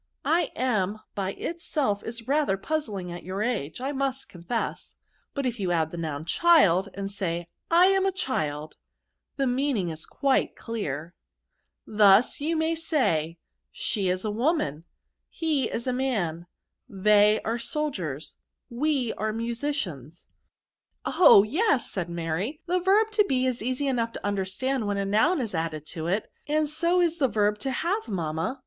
/ am by itself is rather puzzling at your age, I must confess ; but if you add the noun child, and say I am a child, the mean ing is quite clear. Thus you may say, she is a woman, he is a man, they are soldieri^i we are musicians." VERBS. 265 " Oh ! yes/' said Mary, " the verb to be is easy enough to understand when a noun is added to it; and so is the verb to have, mamma.